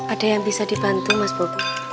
ada yang bisa dibantu mas bobo